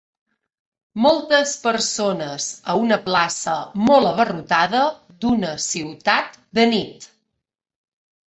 Moltes persones a una plaça molt abarrotada d'una ciutat de nit.